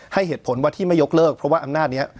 เหตุผลว่าที่ไม่ยกเลิกเพราะว่าอำนาจนี้